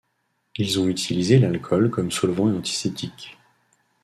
Ils ont utilisé l'alcool comme solvant et antiseptique.